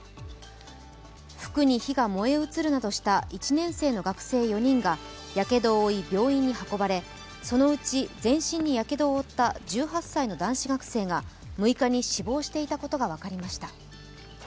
服に火が燃え移るなどした１年生の学生４人がやけどを負い、病院に運ばれそのうち全身にやけどを負った１８歳の男子学生が６日に死亡していたことが分かりました。